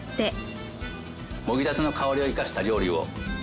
もぎたての香りを生かした料理を。